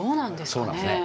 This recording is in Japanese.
そうなんですね。